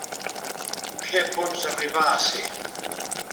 Què pots arribar a ser?